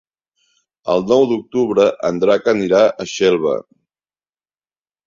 El nou d'octubre en Drac anirà a Xelva.